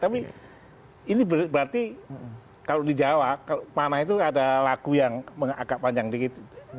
tapi ini berarti kalau di jawa panah itu ada lagu yang agak panjang dikit